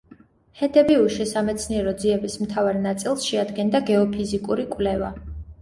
ჰედებიუში სამეცნიერო ძიების მთავარ ნაწილს შეადგენდა გეოფიზიკური კვლევა.